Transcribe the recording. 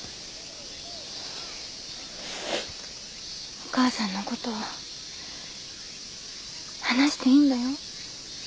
お母さんのこと話していいんだよ。